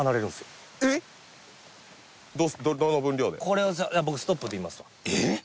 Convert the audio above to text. これをじゃあ僕ストップって言いますわえっ？